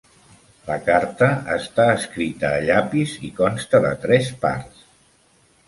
La carta està escrita a llapis i consta de tres parts.